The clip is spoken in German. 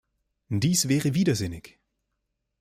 Dies wäre widersinnig.